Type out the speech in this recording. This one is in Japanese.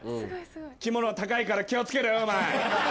着物高いから気を付けろよお前。